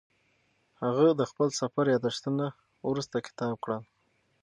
هغه د خپل سفر یادښتونه وروسته کتاب کړل.